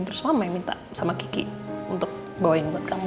terus mama yang minta sama kiki untuk bawain buat kamu